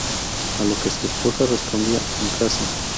A lo que su esposa respondía "En casa".